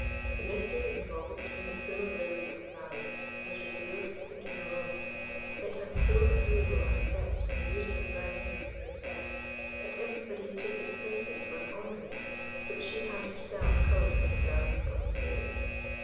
The mystery involved in the plume of lilies of the valley was revealed to the King alone. It had so agreeable an effect in the beautiful brown hair of the Princess, that everybody took it simply for an ornament which she had herself culled in the gardens of the Fairy.